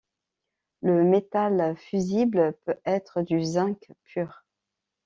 Le métal fusible peut être du zinc pur.